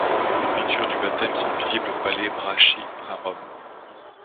Des peintures du baptême sont visibles au Palais Braschi, à Rome.